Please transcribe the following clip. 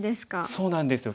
そうなんですよ。